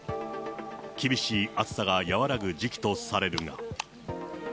厳しい暑さが和らぐ時期とされるが。